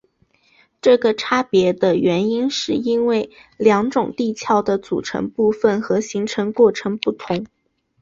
这个差别的原因是因为两种地壳的组成部分和形成过程不同。